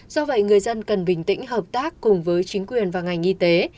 do vậy người dân cần bình tĩnh hợp tác cùng với chính quyền và ngành y tế